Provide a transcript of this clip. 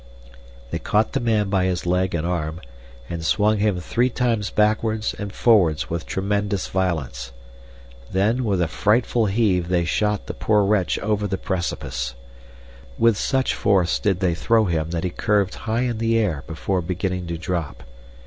They caught the man by his leg and arm, and swung him three times backwards and forwards with tremendous violence. Then, with a frightful heave they shot the poor wretch over the precipice. With such force did they throw him that he curved high in the air before beginning to drop.